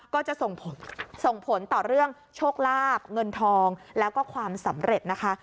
ก็จะส่งผลต่อเรื่องโชคลาบเงินทองแล้วก็ความสำเร็จนะคะ